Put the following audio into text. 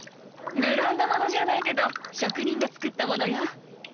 ブランド物じゃないけど職人が作ったものよ。